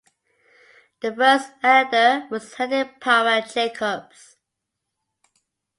The first editor was Hedley Powell Jacobs.